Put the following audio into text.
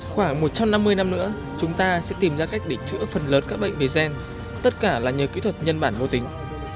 khoảng một trăm năm mươi năm nữa chúng ta sẽ tìm ra cách để chữa phần lớn các bệnh về gen tất cả là nhờ kỹ thuật nhân bản vô tính